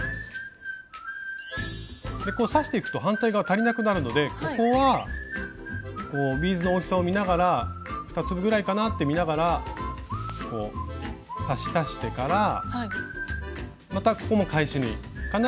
刺していくと反対側足りなくなるのでここはビーズの大きさを見ながら２粒ぐらいかなって見ながら刺し足してからまたここも返し縫い。